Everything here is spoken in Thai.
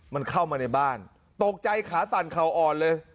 มันเข้ามาในบ้านตกใจขาสั่นเข่าอ่อนเลย